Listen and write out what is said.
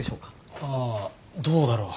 あどうだろう？